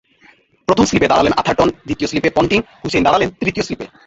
প্রথম স্লিপে দাঁড়ালেন আথারটন, দ্বিতীয় স্লিপে পন্টিং, হুসেইন দাঁড়ালেন তৃতীয় স্লিপে।